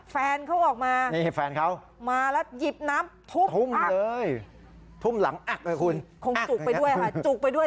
แฟนเขาออกมานี่แฟนเขามาแล้วหยิบน้ำทุ่มเลยทุ่มหลังคุณคงจุกไปด้วยค่ะ